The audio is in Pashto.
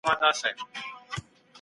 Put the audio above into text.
ايا ته ږغ اورې؟